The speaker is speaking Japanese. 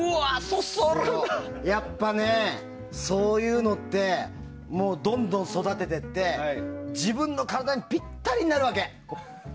やっぱね、そういうのってどんどん育てていって自分の体にぴったりになるわけ。